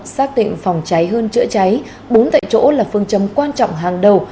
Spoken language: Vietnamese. xác định phòng cháy hơn chữa cháy bốn tại chỗ là phương châm quan trọng hàng đầu